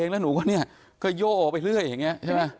แล้วหนูก็เนี่ยก็โย่อไปเรื่อยอย่างนี้ใช่ไหม